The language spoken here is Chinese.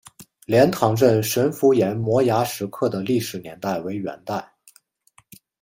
莲塘镇神符岩摩崖石刻的历史年代为元代。